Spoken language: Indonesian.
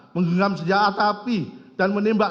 menggelam senja atapi dan menembak